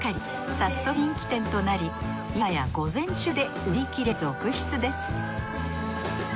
早速人気店となりいまや午前中で売り切れ続出です